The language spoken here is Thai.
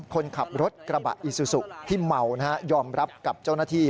คนขับรถกระบะอิซูซุที่เมานะฮะยอมรับกับเจ้าหน้าที่